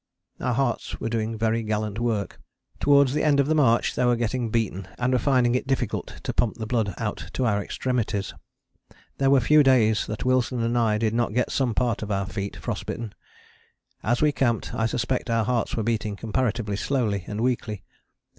Our hearts were doing very gallant work. Towards the end of the march they were getting beaten and were finding it difficult to pump the blood out to our extremities. There were few days that Wilson and I did not get some part of our feet frost bitten. As we camped, I suspect our hearts were beating comparatively slowly and weakly.